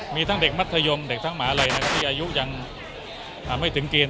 มีทั้งเด็กมัธยมและหมาไรที่ยึดยังไม่ถึงเกณฑ์